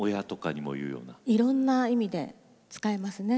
いろんな意味で使いますね。